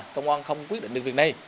công an không quyết định được việc này